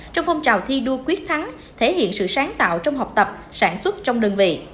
trong phong trào thi đua quyết thắng thể hiện sự sáng tạo trong học tập sản xuất trong đơn vị